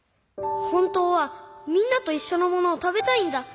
ほんとうはみんなといっしょのものをたべたいんだ。